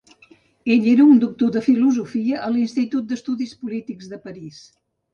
Ell era un Doctor de Filosofia a l'Institut d'Estudis Polítics de París.